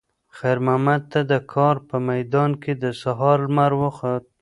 خیر محمد ته د کار په میدان کې د سهار لمر وخوت.